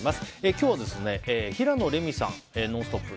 今日は、平野レミさん「ノンストップ！」